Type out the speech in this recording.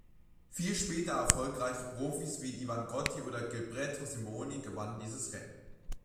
Viele später erfolgreiche Profis wie Ivan Gotti oder Gilberto Simoni gewannen dieses Rennen.